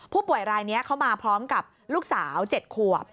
ผู้ป่วยรายนี้เขามาพร้อมกับลูกสาว๗ขวบ